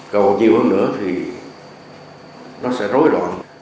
cầu nhiều hơn nữa thì nó sẽ rối loạn